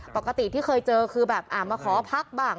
ปกติที่เคยเจอคือแบบมาขอพักบ้าง